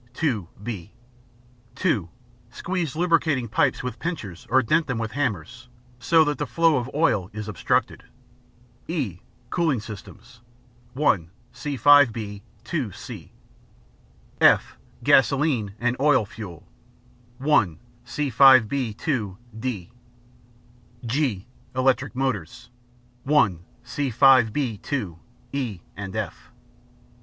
(2) (b). (2) Squeeze lubricating pipes with pincers or dent them with hammers, so that the flow of oil is obstructed. (e) Cooling Systems (1) See 5 b (2) (c). (f) Gasoline and Oil Fuel (1) See 5 b (2) (d). (g) Electric Motors (1) See 5 b (2) (e) and (f).